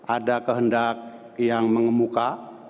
ada kehendak yang mengemuka